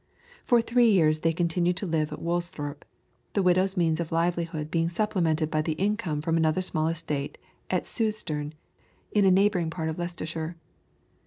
For three years they continued to live at Woolsthorpe, the widow's means of livelihood being supplemented by the income from another small estate at Sewstern, in a neighbouring part of Leicestershire.